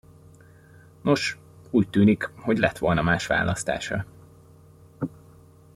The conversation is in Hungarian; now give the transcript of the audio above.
Nos, úgy tűnik, hogy lett volna más választása.